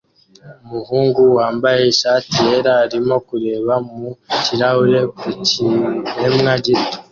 Umuhungu wambaye ishati yera arimo kureba mu kirahure ku kiremwa gito